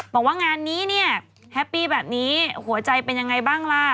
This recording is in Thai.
บอกว่างานนี้เนี่ยแฮปปี้แบบนี้หัวใจเป็นยังไงบ้างล่ะ